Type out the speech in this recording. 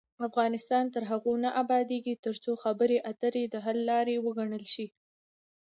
افغانستان تر هغو نه ابادیږي، ترڅو خبرې اترې د حل لار وګڼل شي.